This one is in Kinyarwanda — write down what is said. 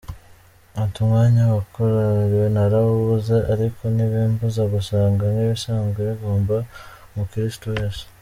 Ati, “Umwanya wa korali narawubuze ariko ntibimbuza gusanga nk’ibisanzwe bigomba umukirisitu wese”.